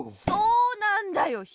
そうなんだよ